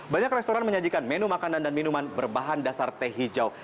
banyak restoran menyajikan menu makanan dan minuman berbahan dasar teh hijau